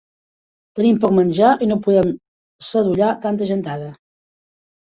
Tenim poc menjar i no podrem sadollar tanta gentada.